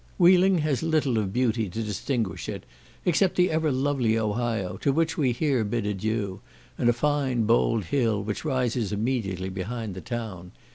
Wheeling has little of beauty to distinguish it, except the ever lovely Ohio, to which we here bid adieu, and a fine bold hill, which rises immediately behind the town.